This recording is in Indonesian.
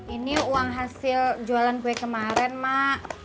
ini uang hasil jualan kue kemarin mak